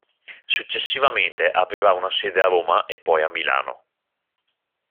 Successivamente aprirà una sede a Roma e poi a Milano.